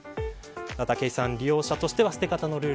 武井さん、利用者としては捨て方のルール。